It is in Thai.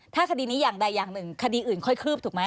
ถ้าคดีนี้อย่างใดอย่างหนึ่งคดีอื่นค่อยคืบถูกไหม